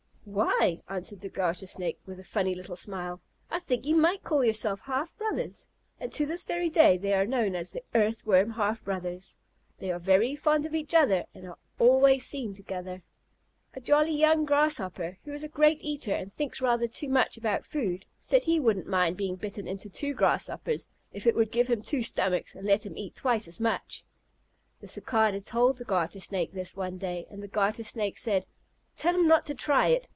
"Why," answered the Garter Snake, with a funny little smile, "I think you might call yourselves half brothers." And to this day they are known as "the Earthworm half brothers." They are very fond of each other and are always seen together. A jolly young Grasshopper, who is a great eater and thinks rather too much about food, said he wouldn't mind being bitten into two Grasshoppers, if it would give him two stomachs and let him eat twice as much. The Cicada told the Garter Snake this one day, and the Garter Snake said: "Tell him not to try it.